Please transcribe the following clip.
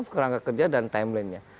kurang kekerjaan dan timelinenya